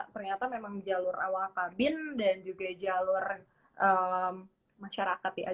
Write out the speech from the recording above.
ternyata memang jalur awak kabin dan juga jalur masyarakat ya